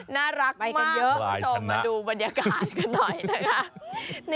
น่ารักมากมาดูบรรยากาศกันหน่อยนะคะ